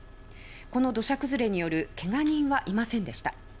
この土砂崩れによる怪我人はいませんでした。